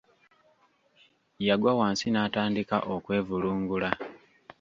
Yagwa wansi n’atandika okwevulungula.